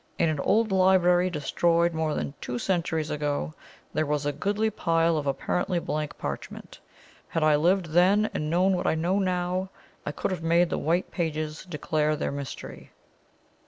In an old library, destroyed more than two centuries ago, there was a goodly pile of apparently blank parchment. Had I lived then and known what I know now, I could have made the white pages declare their mystery."